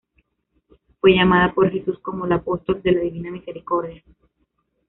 Fue llamada por Jesús como "la apóstol de la divina misericordia".